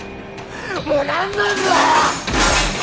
もうなんなんだよ！！